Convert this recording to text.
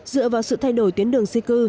dựa vào sự thay đổi tuyến đường di cư